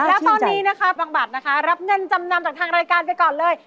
แล้วตอนนี้นะคะบังบัตรนะคะรับเงินจำนำจากทางรายการไปก่อนเลย